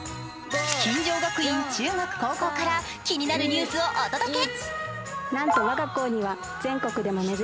金城学院中学高校から気になるニュースをお届け。